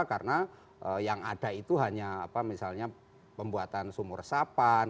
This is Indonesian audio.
karena yang ada itu hanya misalnya pembuatan sumur resapan